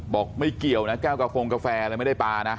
ไม่เกี่ยวนะแก้วกระโฟงกาแฟอะไรไม่ได้ปลานะ